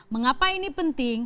mengapa ini penting